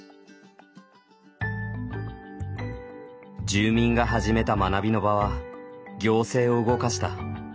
住民が始めた学びの場は行政を動かした。